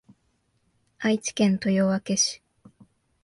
愛知県豊明市